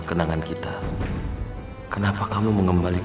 aku udah gerah banget nih